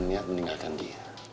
be berniat meninggalkan dia